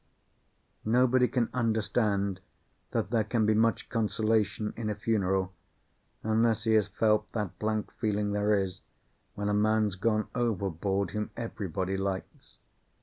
Nobody can understand that there can be much consolation in a funeral, unless he has felt that blank feeling there is when a man's gone overboard whom everybody likes.